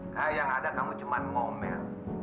kayak yang ada kamu cuma ngomel